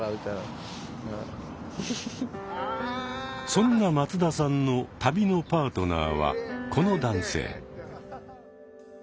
そんな松田さんの旅のパートナーはこの男性。